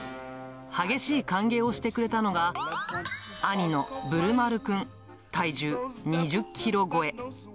激しい歓迎をしてくれたのが、兄のぶるまるくん、体重２０キロ超え。